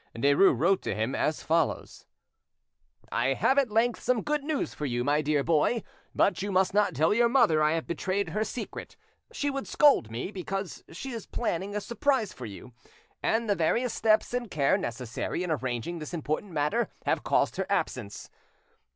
Derues wrote to him as follows: "I have at length some good news for you, my dear boy, but you must not tell your mother I have betrayed her secret; she would scold me, because she is planning a surprise for you, and the various steps and care necessary in arranging this important matter have caused her absence.